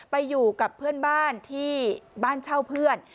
ไปอยู่กับเพื่อนบ้านที่บ้านเช่าเพื่อน